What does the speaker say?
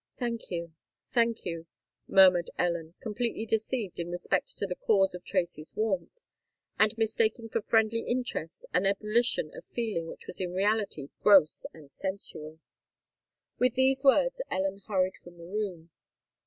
"Thank you—thank you," murmured Ellen, completely deceived in respect to the cause of Tracy's warmth, and mistaking for friendly interest an ebullition of feeling which was in reality gross and sensual. With these words Ellen hurried from the room.